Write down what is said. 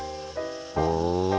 ほう。